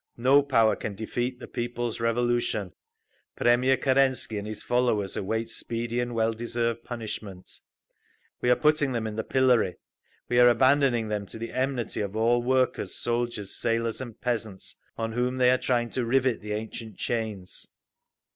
No power can defeat the People's Revolution…. Premier Kerensky and his followers await speedy and well deserved punishment…. We are putting them in the Pillory. We are abandoning them to the enmity of all workers, soldiers, sailors and peasants, on whom they are trying to rivet the ancient chains.